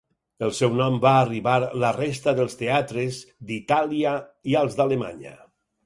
El seu nom va arribar la resta dels teatres d'Itàlia i als d'Alemanya.